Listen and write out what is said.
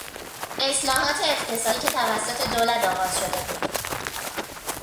اصلاحات اقتصادی که توسط دولت آغاز شده بود